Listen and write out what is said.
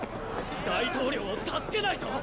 大統領を助けないと！